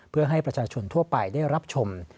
เพื่อให้ประชาชนทั่วไปได้รับชม